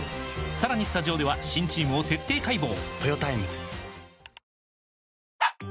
さらにスタジオでは新チームを徹底解剖！